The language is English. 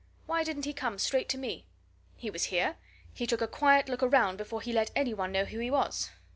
Why didn't he come straight to me? He was here he took a quiet look around before he let any one know who he was.